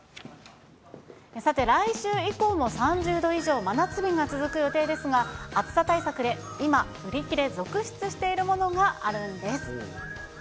さて、来週以降も３０度以上、真夏日が続く予定ですが、暑さ対策で今、売り切れ続出しているものがあるんです。